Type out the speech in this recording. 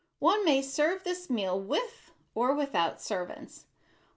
One may serve this meal with or without servants.